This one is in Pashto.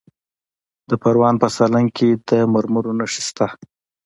د پروان په سالنګ کې د مرمرو نښې شته.